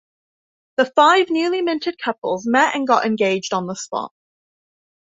The five newly minted couples met and got engaged on the spot.